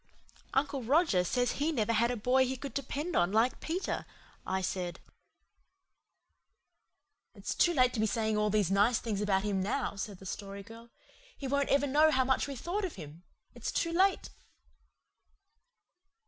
"Uncle Roger says he never had a boy he could depend on like Peter," I said. "It's too late to be saying all these nice things about him now," said the Story Girl. "He won't ever know how much we thought of him. It's too late."